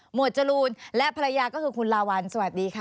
วดจรูนและภรรยาก็คือคุณลาวัลสวัสดีค่ะ